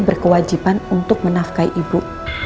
berkewajiban untuk menafkai ibu